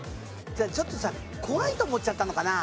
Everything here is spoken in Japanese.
ちょっとさ怖いと思っちゃったのかな？